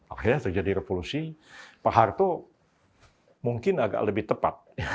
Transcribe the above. akhirnya terjadi revolusi pak harto mungkin agak lebih tepat